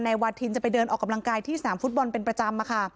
วาทินจะไปเดินออกกำลังกายที่สนามฟุตบอลเป็นประจำ